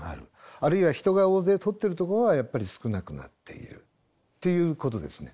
あるいは人が大勢通ってるとこはやっぱり少なくなっているということですね。